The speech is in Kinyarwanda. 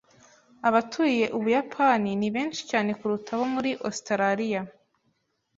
Abatuye Ubuyapani ni benshi cyane kuruta abo muri Ositaraliya.